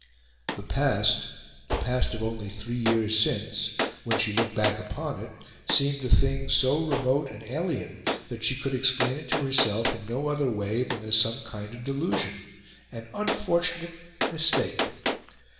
The past the past of only three years since when she looked back upon it, seemed a thing so remote and alien that she could explain it to herself in no other way than as some kind of delusion an unfortunate mistake.